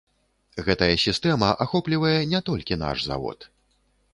Гэтая сістэма ахоплівае не толькі наш завод.